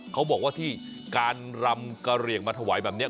เขาบอกว่าที่การรำกระเหลี่ยงมาถวายแบบนี้